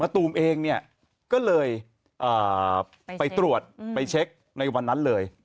ตูมเองเนี่ยก็เลยไปตรวจไปเช็คในวันนั้นเลย